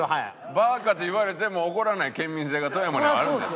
「バーカ」と言われても怒らない県民性が富山にはあるんですか？